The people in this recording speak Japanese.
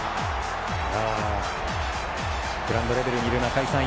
グラウンドレベルにいる中居さん